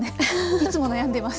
いつも悩んでます。